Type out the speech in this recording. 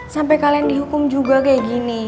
sampai kalian dihukum juga kayak gini